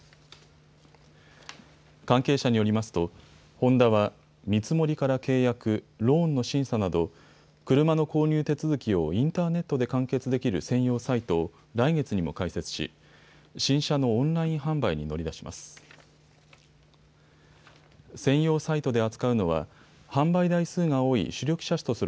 関係者によりますとホンダは見積もりから契約、ローンの審査など車の購入手続きをインターネットで完結できる専用サイトを来月にも開設し新車のオンライン販売に乗り出します。